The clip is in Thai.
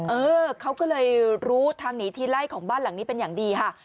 เออเขาก็เลยรู้ทางหนีทีไล่ของบ้านหลังนี้เป็นอย่างดีค่ะ